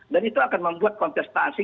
dan itu akan membuat kompestasi